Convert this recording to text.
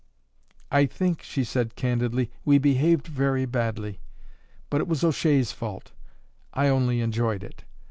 "I think," she said candidly, "we behaved very badly; but it was O'Shea's fault I only enjoyed it.